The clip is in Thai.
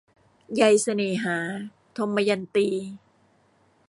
ใยเสน่หา - ทมยันตี